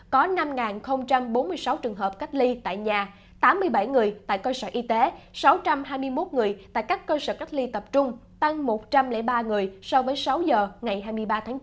có năm bốn mươi sáu trường hợp cách ly tại nhà tám mươi bảy người tại cơ sở y tế sáu trăm hai mươi một người tại các cơ sở cách ly tập trung tăng một trăm linh ba người so với sáu giờ ngày hai mươi ba tháng chín